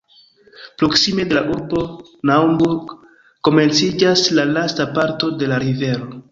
Proksime de la urbo Naumburg komenciĝas la lasta parto de la rivero.